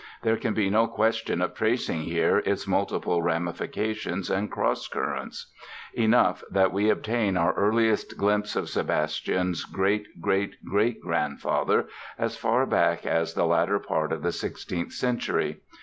There can be no question of tracing here its multiple ramifications and cross currents. Enough that we obtain our earliest glimpse of Sebastian's great great great grandfather as far back as the latter part of the sixteenth century.